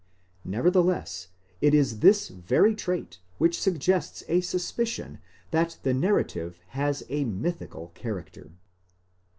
Nevertheless, it is this very trait which suggests a suspicion that the narrative has a mythical character.